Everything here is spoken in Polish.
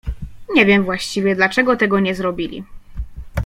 Nie wiem właściwie, dlaczego tego nie zrobili.